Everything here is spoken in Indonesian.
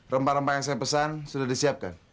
rempah rempah yang saya pesan sudah disiapkan